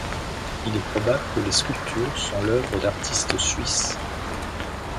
Il est probable que les sculptures sont l'œuvre d'artistes Suisses.